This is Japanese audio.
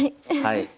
はい。